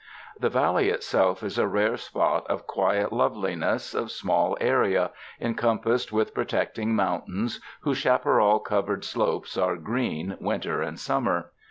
The valley itself is a rare spot of quiet loveliness of small area, encompassed with protecting mountains whose chaparral covered slopes are green winter and summer.